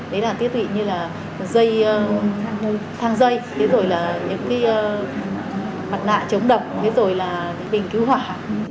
đấy là thiết bị như là thang dây mặt nạ chống độc bình cứu hỏa